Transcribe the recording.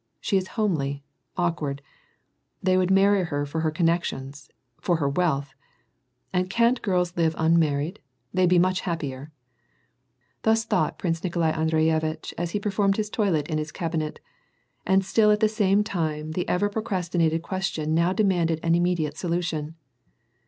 She is homely, awkward I They would marry her for her connections, for her wealth ! And can't girls live unmar ried ? They'd be much happier " Thus thought Prince Nikolai Andreyevitch, as he performed his toilet in his cabinet, and still at the same time the ever procrastinated question now demanded an immediate solution.